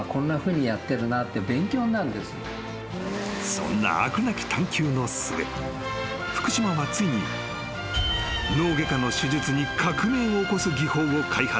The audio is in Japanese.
［そんな飽くなき探求の末福島はついに脳外科の手術に革命を起こす技法を開発する］